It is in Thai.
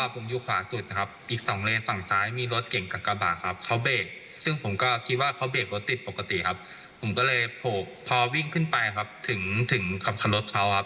ผมก็เลยพบพอวิ่งขึ้นไปถึงขับรถเขา